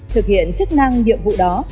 thực hiện chức năng nhiệm vụ đó